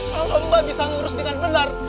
kalau mbak bisa ngurus dengan benar